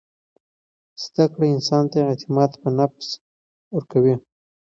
زده کړه انسان ته اعتماد په نفس ورکوي.